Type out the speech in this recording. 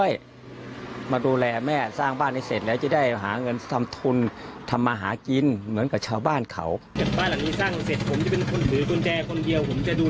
ผมจะดูแลบ้านหลังนี้เองคนเดียว